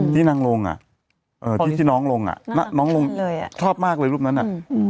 ที่นางลงอ่ะที่น้องลงอ่ะน้องลงเลยอ่ะชอบมากเลยรูปนั้นอ่ะ